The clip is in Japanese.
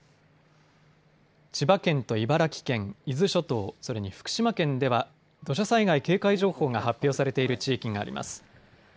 千葉県と茨城県、伊豆諸島、それに福島県では土砂災害警戒情報が発表されている地域があります。